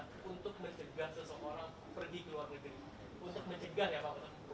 sebuah negara mengintervensi keimigrasian negara lain agar dia mencegah orang lain keluar negeri